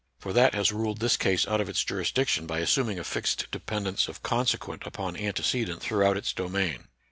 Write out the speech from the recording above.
For that has ruled this case out of its jurisdiction by assuming a fixed dependence of consequent upon antecedent throughout its domain.